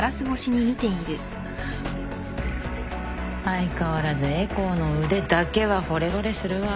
相変わらずエコーの腕だけはほれぼれするわ。